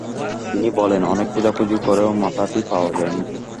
তিনি বলেন, অনেক খোঁজাখুঁজি করেও মাথাটি পাওয়া যায়নি।